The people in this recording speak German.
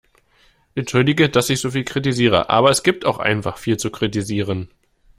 Entschuldige, dass ich so viel kritisiere, aber es gibt auch einfach viel zu kritisieren.